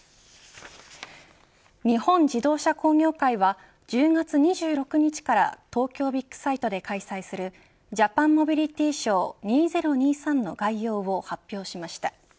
日本自動車工業会は１０月２６日から東京ビッグサイトで開催するＪＡＰＡＮＭＯＢＩＬＩＴＹＳＨＯＷ２０２３の概要を発表しました。